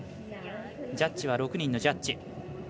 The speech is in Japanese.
ジャッジは６人のジャッジ。